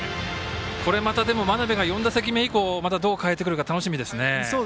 また真鍋が４打席目以降どう変えてくるか楽しみですね。